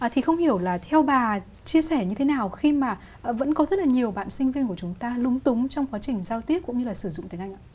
thì không hiểu là theo bà chia sẻ như thế nào khi mà vẫn có rất là nhiều bạn sinh viên của chúng ta lúng túng trong quá trình giao tiếp cũng như là sử dụng tiếng anh ạ